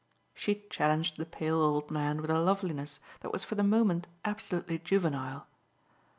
She challenged the pale old man with a loveliness that was for the moment absolutely juvenile.